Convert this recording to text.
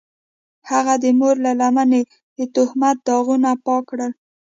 هغه د مور له لمنې د تهمت داغونه پاک کړل.